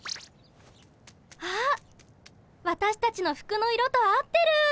あっわたしたちの服の色と合ってる！